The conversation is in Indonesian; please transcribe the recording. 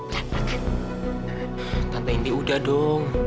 tante indi udah dong